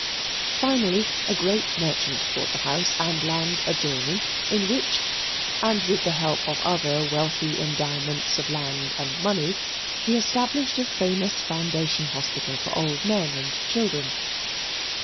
Finally, a great merchant bought the house and land adjoining, in which, and with the help of other wealthy endowments of land and money, he established a famous foundation hospital for old men and children.